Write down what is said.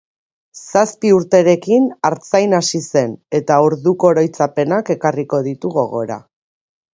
Zazpi urterekin artzain hasi zen eta orduko oroitzapenak ekarriko ditu gogora.